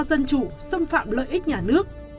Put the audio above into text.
dân chủ xâm phạm lợi ích nhà nước